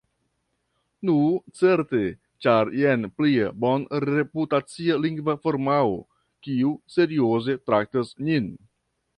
Nu, certe, ĉar jen plia bonreputacia lingva firmao kiu serioze traktas nin.